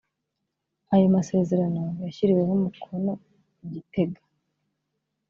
Ayo masezerano yashyiriweho umukono i Gitega